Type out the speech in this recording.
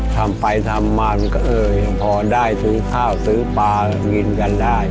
ทำไปทำมามันก็เอ่ยพอได้ซื้อข้าวซื้อปลากินกันได้